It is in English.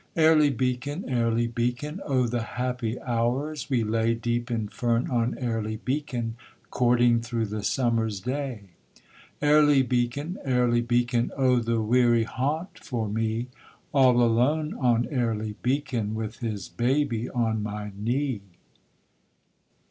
Airly Beacon, Airly Beacon; Oh the happy hours we lay Deep in fern on Airly Beacon, Courting through the summer's day! Airly Beacon, Airly Beacon; Oh the weary haunt for me, All alone on Airly Beacon, With his baby on my knee!